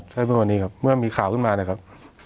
ใช่เมื่อวันนี้ครับเมื่อมีข่าวขึ้นมานะครับ